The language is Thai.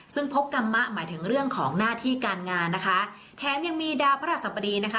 ซึ่งพบกรรมะหมายถึงเรื่องของหน้าที่การงานนะคะแถมยังมีดาวพระราชสัปดีนะคะ